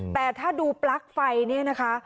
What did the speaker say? แต่ถ้าดูปลั๊กไฟเนี่ยนะคะ